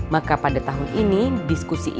maka pada tahun ini diskusi ini